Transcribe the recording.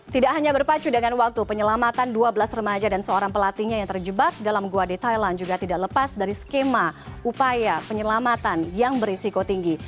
tidak hanya berpacu dengan waktu penyelamatan dua belas remaja dan seorang pelatihnya yang terjebak dalam gua di thailand juga tidak lepas dari skema upaya penyelamatan yang berisiko tinggi